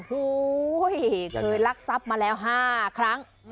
เฮ้ยเคยลักษัพธ์มาแล้ว๕ครั้ง